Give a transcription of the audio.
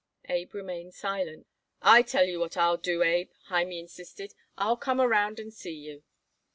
Abe remained silent. "I tell you what I'll do, Abe," Hymie insisted; "I'll come around and see you."